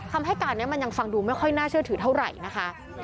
คำให้การนี้มันยังฟังดูไม่ค่อยน่าเชื่อถือเท่าไหร่นะคะ